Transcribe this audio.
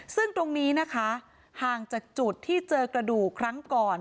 ซึ่งตรงนี้นะคะห่างจากจุดที่เจอกระดูกครั้งก่อน